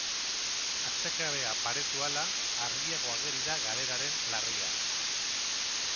Atsekabea baretu ahala, argiago ageri da galeraren larria.